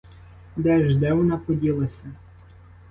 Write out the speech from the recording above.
Де ж де вона поділася?